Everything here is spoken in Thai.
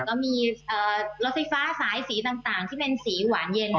ก็มีรถไฟฟ้าสายสีต่างที่เป็นสีหวานเย็น